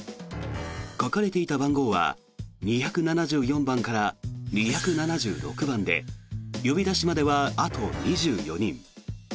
書かれていた番号は２７４番から２７６番で呼び出しまではあと２４人。